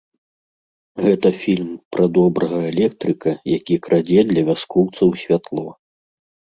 Гэта фільм пра добрага электрыка, які крадзе для вяскоўцаў святло.